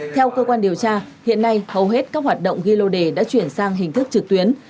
theo cơ quan điều tra hiện nay hầu hết các hoạt động ghi lô đề đã chuyển sang hình thức trực tuyến